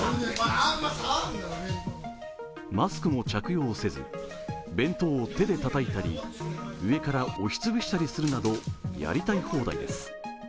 マスクを着用せず弁当を手でたたいたり上から押しつぶしたりするなどやりたい放題です。